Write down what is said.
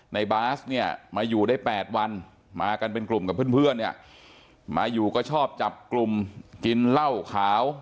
ในบาสเนี่ยมาอยู่ได้๘วันมากันเป็นกลุ่มกับเพื่อนเนี่ยมาอยู่ก็ชอบจับกลุ่มกินเหล้าขาว